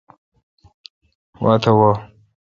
واتہ وہ۔